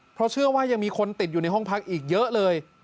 เพราะเชื่อว่ายังมีคนติดอยู่ในห้องพักอีกเยอะเลย